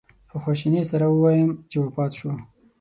په خواشینۍ سره ووایم چې وفات شو.